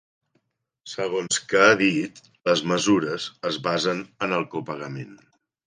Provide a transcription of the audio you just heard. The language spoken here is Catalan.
Segons que ha dit, les mesures es basen en el copagament.